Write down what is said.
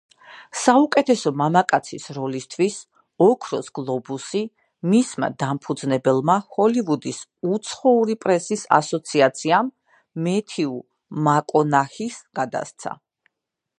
საუკეთესო მამაკაცის როლისთვის „ოქროს გლობუსი“ მისმა დამფუძნებელმა, ჰოლივუდის უცხოური პრესის ასოციაციამ მეთიუ მაკონაჰის გადასცა.